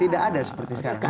tidak ada seperti sekarang